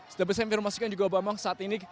sejauh ini saya ingin memastikan juga bambang saat ini